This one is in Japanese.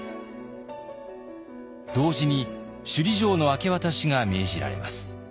同時に首里城の明け渡しが命じられます。